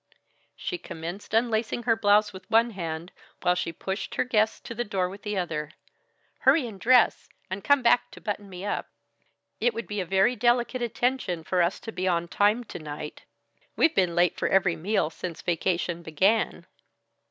She commenced unlacing her blouse with one hand, while she pushed her guests to the door with the other. "Hurry and dress, and come back to button me up. It would be a very delicate attention for us to be on time to night. We've been late for every meal since vacation began."